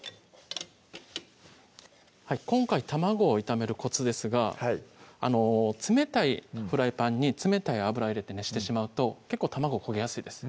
今回卵を炒めるコツですが冷たいフライパンに冷たい油入れて熱してしまうと結構卵焦げやすいです